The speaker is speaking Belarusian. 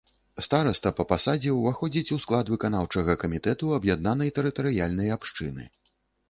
Стараста па пасадзе ўваходзіць у склад выканаўчага камітэту аб'яднанай тэрытарыяльнай абшчыны.